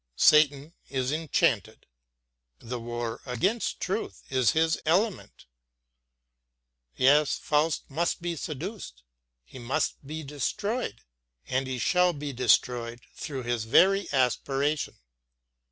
Satan is enchanted; the war against truth is his element. Yes, Faust must be seduced, he must be destroyed. And he shall be destroyed through his very aspiration.